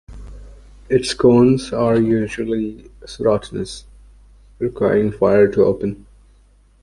Its cones are usually serotinous, requiring fire to open.